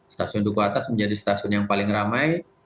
stasiun duku atas menjadi stasiun yang paling ramai